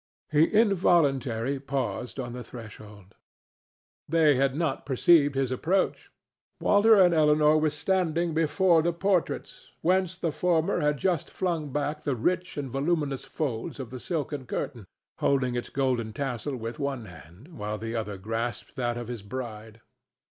He involuntarily paused on the threshold. They had not perceived his approach. Walter and Elinor were standing before the portraits, whence the former had just flung back the rich and voluminous folds of the silken curtain, holding its golden tassel with one hand, while the other grasped that of his bride.